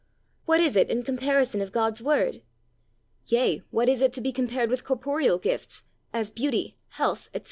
What is it in comparison of God's Word? yea, what is it to be compared with corporeal gifts, as beauty, health, etc.?